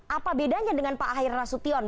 apa bedanya dengan pak ahir nasution